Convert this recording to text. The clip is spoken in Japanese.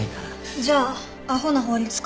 じゃあアホな法律家？